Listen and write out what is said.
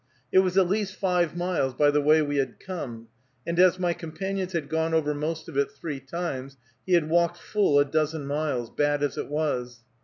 It was at least five miles by the way we had come, and as my companion had gone over most of it three times, he had walked full a dozen miles, bad as it was.